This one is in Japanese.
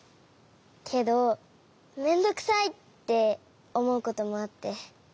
けどめんどくさいっておもうこともあって。